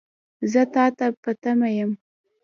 زه تا ته په تمه یم .